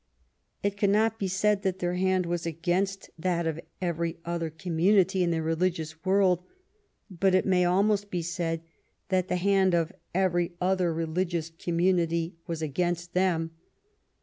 It cannot be said that their hand was against that of every other community in the religious world, but it may almost be said that the hand of every other religious commu nity was against them.